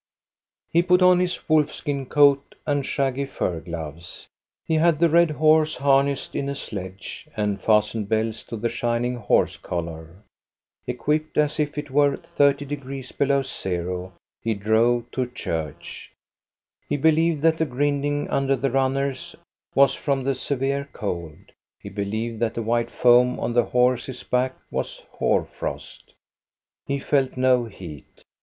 He put on his wolfskin coat and shaggy fur gloves. He had the red horse harnessed in a sledge, and fas tened bells to the shining horse collar. Equipped as if it were thirty degrees below zero, he drove to MIDSUMMER 3^5 church. He believed that the grinding under the runners was from the severe cold. He believed that the white foam on the horse's back was hoarfrost. He felt no heat.